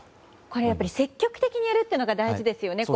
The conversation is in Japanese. これ、積極的にやるというのが大事ですよね。